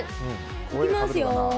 いきますよ。